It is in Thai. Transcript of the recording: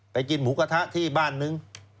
กินหมูกระทะที่บ้านนึง